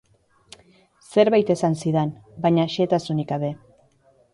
Zerbait esan zidan, baina xehetasunik gabe.